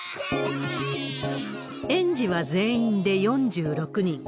園児は全員で４６人。